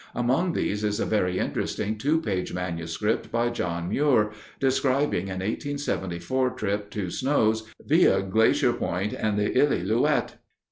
Among these is a very interesting two page manuscript by John Muir, describing an 1874 trip to Snow's via Glacier Point and the Illilouette.